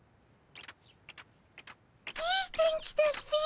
いい天気だっピ。